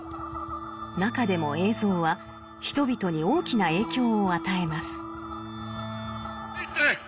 中でも映像は人々に大きな影響を与えます。